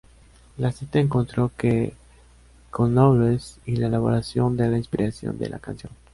La cita encontró que Knowles y la elaboración de la inspiración de la canción:.